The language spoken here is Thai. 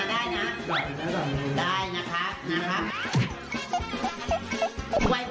อันนี้ต้องมา